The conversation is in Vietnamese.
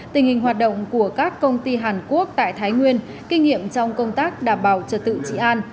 tình hình hoạt động của các công ty hàn quốc tại thái nguyên kinh nghiệm trong công tác đảm bảo trật tự trị an